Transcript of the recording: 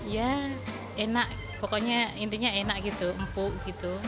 ya enak pokoknya intinya enak gitu empuk gitu